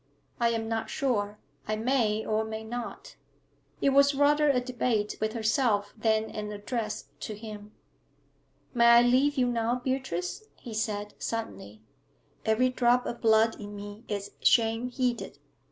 I am not sure. I may or may not.' It was rather a debate with herself than an address to him. 'May I leave you now, Beatrice?' he said, suddenly. 'Every drop of blood in me is shame heated.